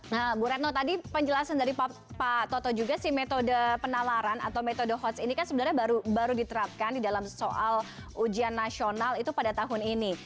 nah bu retno tadi penjelasan dari pak toto juga sih metode penalaran atau metode hots ini kan sebenarnya baru diterapkan di dalam soal ujian nasional itu pada tahun ini